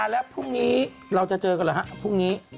และพรุ่งนี้เราจะเจอกันหรือครับ